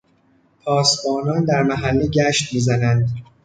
پاسبانان در محله گشت میزنند.